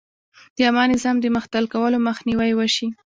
د عامه نظم د مختل کولو مخنیوی وشي.